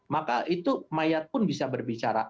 maka itu mayat pun bisa berbicara